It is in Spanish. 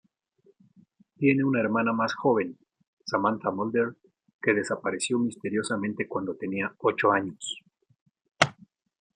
Tiene una hermana más joven, Samantha Mulder, que desapareció misteriosamente cuando tenía ocho años.